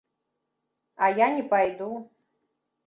А я не пайду.